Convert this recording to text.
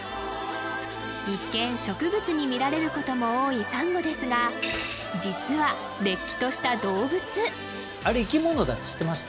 一見植物に見られることも多いサンゴですが実はれっきとした動物あれ生き物だって知ってました？